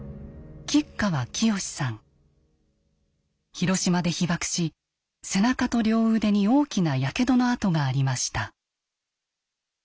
広島で被爆し背中と両腕に大きなやけどの痕がありました。